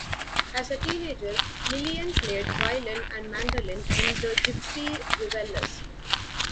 As a teenager Lilian played violin and mandolin in "The Gypsy Revellers".